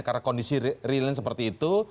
karena kondisi realnya seperti itu